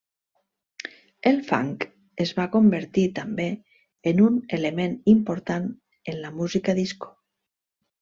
El funk es va convertir també en un element important en la música disco.